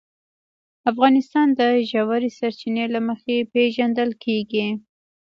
افغانستان د ژورې سرچینې له مخې پېژندل کېږي.